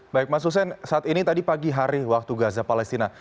baik mas hussein saat ini tadi pagi hari waktu gaza palestina